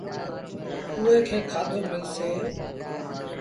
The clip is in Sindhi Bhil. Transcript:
اُئي کي کآڌو ملسي۔